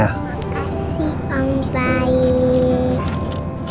makasih om baik